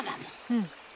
うん。